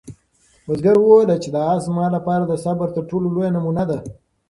بزګر وویل چې دا آس زما لپاره د صبر تر ټولو لویه نمونه ده.